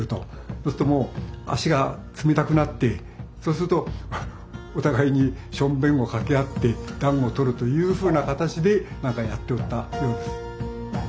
そうするともう足が冷たくなってそうするとお互いにションベンをかけ合って暖を取るというふうな形でなんかやっておったようです。